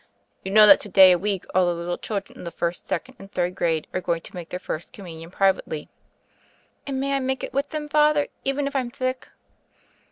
You know that to day a week all the little children of the first, second, and third grade are eoing to make their First Communion privately. "And may I make it with them. Father, even if Fm thick?"